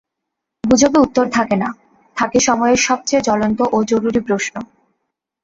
গুজবে উত্তর থাকে না, থাকে সময়ের সবচেয়ে জ্বলন্ত ও জরুরি প্রশ্ন।